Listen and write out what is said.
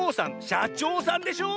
「しゃちょうさん」でしょ！